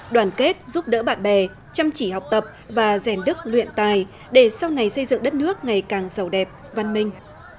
đoàn kết giúp đỡ bạn bè chăm chỉ học tập và rèn đức luyện tài để sau này xây dựng đất nước ngày càng giàu đẹp văn minh